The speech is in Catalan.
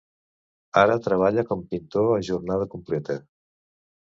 Ara treballa com pintor a jornada completa.